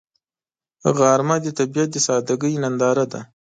غرمه د طبیعت د سادګۍ ننداره ده